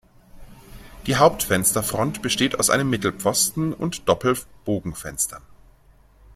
Die Haupt-Fensterfront besteht aus einem Mittelpfosten und Doppel-Bogenfenstern.